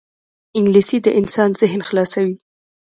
انګلیسي د انسان ذهن خلاصوي